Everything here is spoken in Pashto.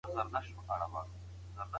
د پاس راپورونه د زړه له کومې اخذ سوي دي.